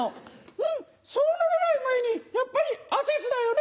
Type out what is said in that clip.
「うんそうならない前にやっぱりアセスだよね？